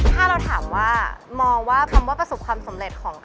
ถ้าเราถามว่ามองว่าคำว่าประสบความสำเร็จของ